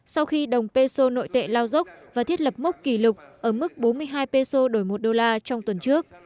sau khi đồng peso nội tệ lao dốc và thiết lập mốc kỷ lục ở mức bốn mươi hai peso đổi một đô la trong tuần trước